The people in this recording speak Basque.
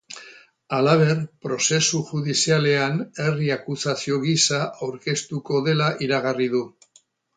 Halaber, prozesu judizialean herri akusazio gisa aurkeztuko dela iragarri du.